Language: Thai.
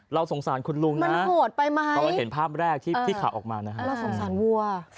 เราสงสารคุณลุงนะมันโหดไปมากพอเราเห็นภาพแรกที่ข่าวออกมานะฮะเราสงสารวัว